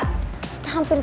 hampir tiap hari